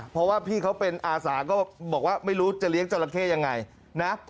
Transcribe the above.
เพราะว่าพี่เขาเป็นอาสาก็บอกว่าไม่รู้จะเลี้ยงจราเข้ยังไงนะ